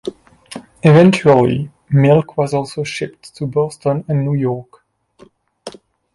Eventually, milk was also shipped to Boston and New York.